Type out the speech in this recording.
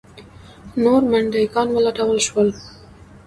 نور منډیي ګان ولټول شول.